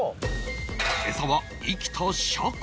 餌は生きたシャコ